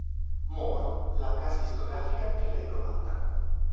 More, la casa discografica che l'ha inglobata.